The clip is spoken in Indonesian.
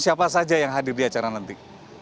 siapa saja yang hadir di acara nanti